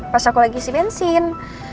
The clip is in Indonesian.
pas aku lagi si bensin